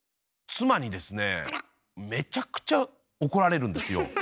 妻にですねめちゃくちゃ怒られるんですよ。